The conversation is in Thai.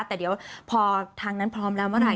แต่เดี๋ยวพอทางนั้นพร้อมแล้วเมื่อไห